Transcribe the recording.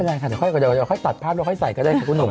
เดี๋ยวค่อยตัดภาพแล้วค่อยใส่ก็ได้ค่ะคุณหนุ่ม